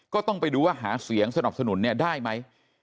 ก็ต้องไปดูว่าหาเสียงสนับสนุนเนี่ยได้ไหม